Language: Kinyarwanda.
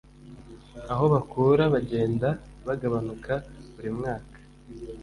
Aho bakura bagenda bagabanuka buri mwaka